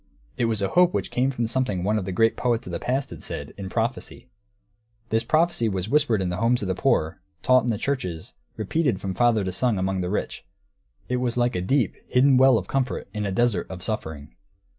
It was a hope which came from something one of the great poets of the past had said, in prophecy. This prophecy was whispered in the homes of the poor, taught in the churches, repeated from father to son among the rich; it was like a deep, hidden well of comfort in a desert of suffering.